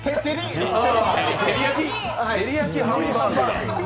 照焼きハンバーグ。